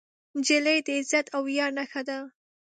نجلۍ د عزت او ویاړ نښه ده.